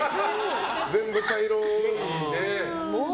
全部茶色いね。